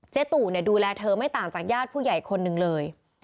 ตู่ดูแลเธอไม่ต่างจากญาติผู้ใหญ่คนหนึ่งเลย